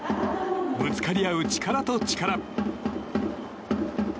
ぶつかり合う力と力。